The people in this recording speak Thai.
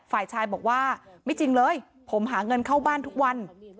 ฝ่ายชายบอกว่าไม่จริงเลยผมหาเงินเข้าบ้านทุกวัน